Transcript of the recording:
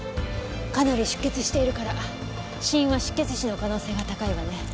かなり出血しているから死因は失血死の可能性が高いわね。